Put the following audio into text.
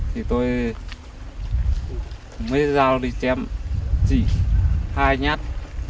thì tôi mới rau đi chém chị hai nhát